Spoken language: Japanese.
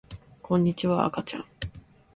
こんにちは、あかちゃん